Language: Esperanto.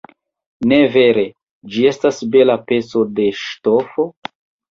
Ne vere, ĝi estas bela peco da ŝtofo?